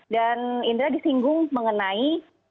dan indra disinggung mengenai